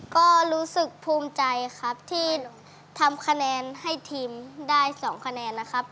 ก็รู้สึกภูมิใจครับที่ทำคะแนนให้ทีมได้๒คะแนนนะครับ